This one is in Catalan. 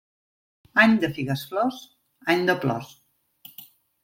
Any de figues-flors, any de plors.